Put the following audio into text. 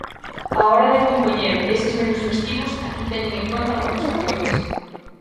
Á hora de compoñer eses menús festivos, aquí teñen en conta moitos factores.